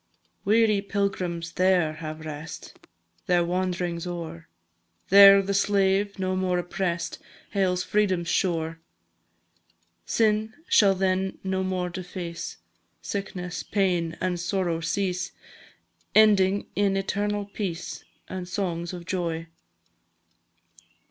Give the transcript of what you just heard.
Weary pilgrims there have rest, Their wand'rings o'er; There the slave, no more oppress'd, Hails Freedom's shore. Sin shall then no more deface, Sickness, pain, and sorrow cease, Ending in eternal peace, And songs of joy!